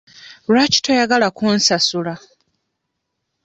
Lwaki toyagala kunsasula?